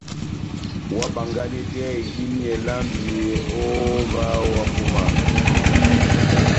Óhábánganedɛhɛ idímiyɛ lambi ó ová ohápúmanɔ !